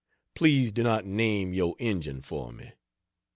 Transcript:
Please do not name your Injun for me.